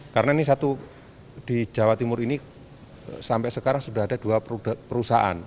karena ini satu di jawa timur ini sampai sekarang sudah ada dua perusahaan